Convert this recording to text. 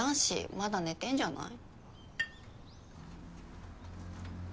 まだ寝てんじゃない。